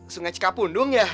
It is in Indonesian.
sungai cikapundung ya